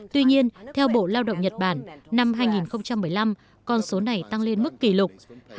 tuy nhiên theo bộ lao động nhật bản năm hai nghìn một mươi năm con số này tăng lên mức kỷ lục